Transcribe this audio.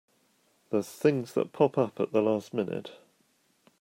The things that pop up at the last minute!